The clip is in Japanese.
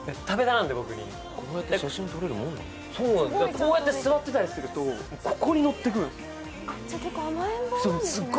こうやって座ってたりすると、ここに乗ってくるんです。